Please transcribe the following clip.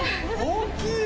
大きい！